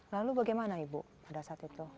lalu bagaimana ibu pada saat itu